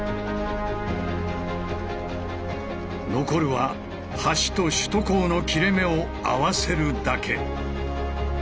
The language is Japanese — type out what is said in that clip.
残るは橋と首都高の切れ目を合わせるだけ。